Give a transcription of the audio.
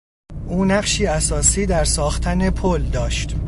او نقشی اساسی در ساختن پل داشت.